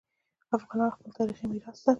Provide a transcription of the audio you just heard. افغانان خپل تاریخي میراث ساتي.